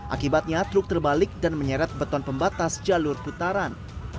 akibatnya truk terbalik dan menyeret beton pembatas jalur putaran